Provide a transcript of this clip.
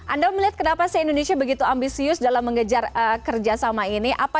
anda melihat kenapa sih indonesia begitu ambisius dalam mengejar kerjasama ini